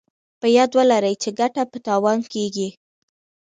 په ياد ولرئ چې ګټه په تاوان کېږي.